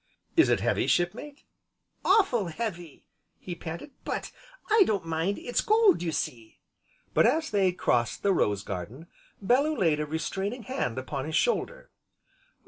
"Is it heavy, Shipmate?" "Awful heavy!" he panted, "but I don't mind that it's gold, you see!" But, as they crossed the rose garden, Bellew laid a restraining hand upon his shoulder.